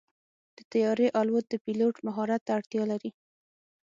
د طیارې الوت د پيلوټ مهارت ته اړتیا لري.